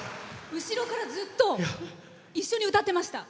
後ろからずっと一緒に歌ってました。